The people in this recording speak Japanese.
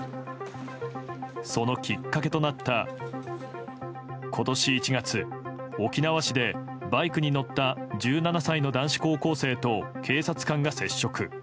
そのきっかけとなった今年１月沖縄市でバイクに乗った１７歳の男子高校生と警察官が接触。